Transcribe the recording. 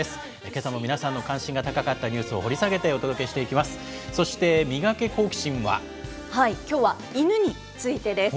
けさも皆さんの関心が高かったニュースを掘り下げてお届けしていきます。